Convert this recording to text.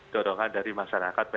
dorongan dari masyarakat